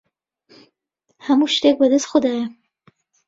هەموو شتێک بەدەست خودایە.